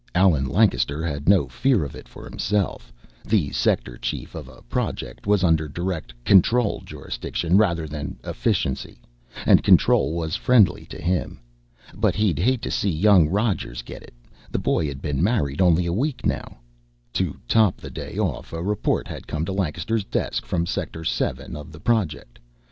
Allen Lancaster had no fear of it for himself; the sector chief of a Project was under direct Control jurisdiction rather than Efficiency, and Control was friendly to him. But he'd hate to see young Rogers get it the boy had been married only a week now. To top the day off, a report had come to Lancaster's desk from Sector Seven of the Project.